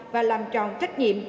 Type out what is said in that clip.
và làm tròn trách nhiệm